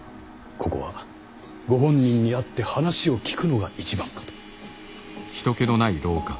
ここはご本人に会って話を聞くのが一番かと。